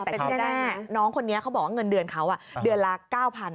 แต่ที่แน่น้องคนนี้เขาบอกว่าเงินเดือนเขาเดือนละ๙๐๐